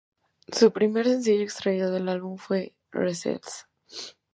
Su primer sencillo extraído del álbum fue Restless.